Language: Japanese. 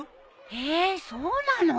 へえそうなの？